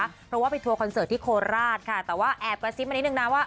เพราะว่าไปทัวร์คอนเสิร์ตที่โคราชค่ะแต่ว่าแอบกระซิบมานิดนึงนะว่า